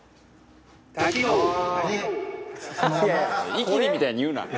「イキリ！みたいに言うな」